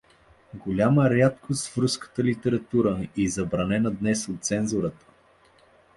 Голяма рядкост в руската литература и забранена днес от цензурата.